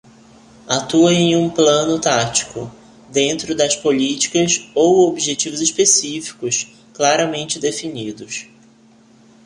Atua em um plano tático, dentro das políticas ou objetivos específicos claramente definidos.